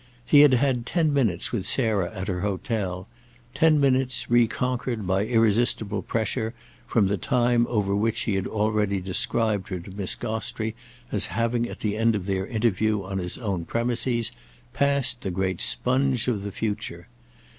He had had ten minutes with Sarah at her hotel, ten minutes reconquered, by irresistible pressure, from the time over which he had already described her to Miss Gostrey as having, at the end of their interview on his own premises, passed the great sponge of the future.